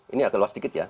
ini agak luas sedikit ya